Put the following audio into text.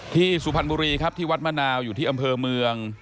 สุพรรณบุรีครับที่วัดมะนาวอยู่ที่อำเภอเมือง